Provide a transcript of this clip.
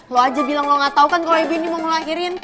lo aja bilang lo gak tau kan kalau ibu ini mau ngelahirin